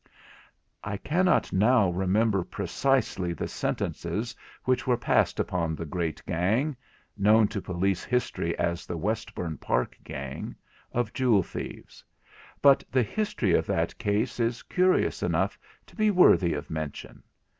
I cannot now remember precisely the sentences which were passed upon the great gang (known to police history as the Westbourne Park gang) of jewel thieves; but the history of that case is curious enough to be worthy of mention.